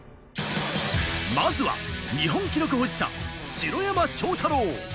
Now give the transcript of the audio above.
まずは日本記録保持者、城山正太郎。